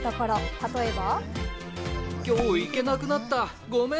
例えば。